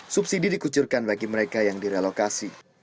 subsidi dikucurkan bagi mereka yang direlokasi